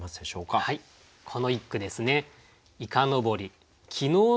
この一句ですね。